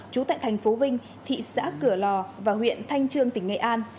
trú tại thành phố vinh thị xã cửa lò và huyện thanh trương tỉnh nghệ an